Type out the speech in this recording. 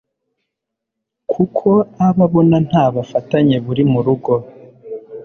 kuko aba abona nta bufatanye buri mu rugo